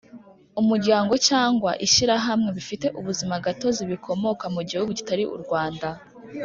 umuryango cyangwa ishyirahamwe bifite ubuzima gatozi bikomoka mu gihugu kitari u Rwanda